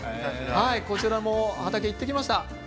こちらも畑に行ってきました。